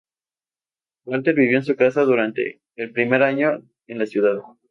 Walter vivió en su casa durante el primer año en la ciudad.